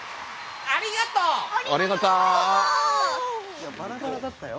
いやバラバラだったよ。